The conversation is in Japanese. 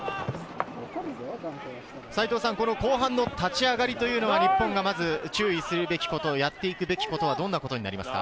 この後半の立ち上がりというのは日本がまず注意するべきこと、やっていくべきことはどんなことになりますか？